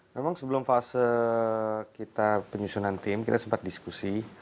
memang sebelum fase kita penyusunan tim kita sempat diskusi